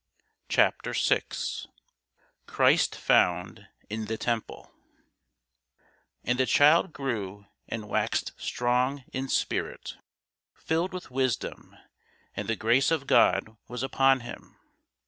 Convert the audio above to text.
CHAPTER 6 CHRIST FOUND IN THE TEMPLE AND the child grew, and waxed strong in spirit, filled with wisdom: and the grace of God was upon him.